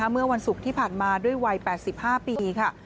เมื่อวันศุกร์ที่ผ่านมาด้วยวัย๘๕ปีค่ะ